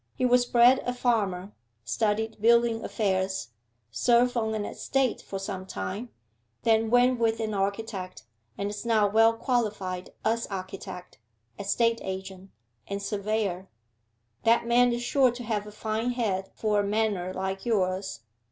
He was bred a farmer, studied building affairs, served on an estate for some time, then went with an architect, and is now well qualified as architect, estate agent, and surveyor. That man is sure to have a fine head for a manor like yours.